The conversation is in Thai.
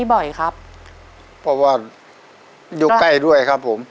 บอกว่าอยู่ใกล้ด้วยครับผม